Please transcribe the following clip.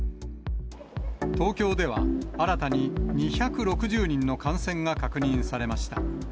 東京では新たに２６０人の感染が確認されました。